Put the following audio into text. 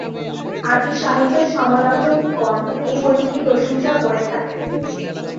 আজও সাহিত্য সমালোচকগণ এই বইটির প্রশংসা করে থাকেন।